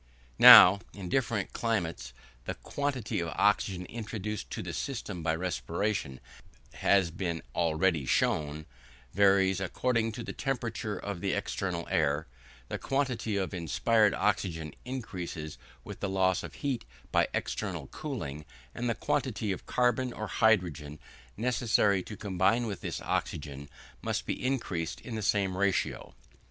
Now, in different climates the quantity of oxygen introduced into the system by respiration, as has been already shown, varies according to the temperature of the external air; the quantity of inspired oxygen increases with the loss of heat by external cooling, and the quantity of carbon or hydrogen necessary to combine with this oxygen must be increased in the same ratio.